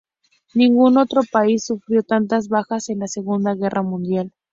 Ningún otro país sufrió tantas bajas en la Segunda Guerra Mundial.